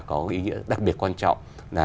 có ý nghĩa đặc biệt quan trọng là